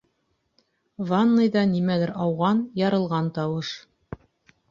Ванныйҙа нимәлер ауған, ярылған тауыш.